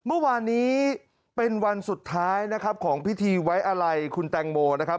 เมื่อวานนี้เป็นวันสุดท้ายนะครับของพิธีไว้อะไรคุณแตงโมนะครับ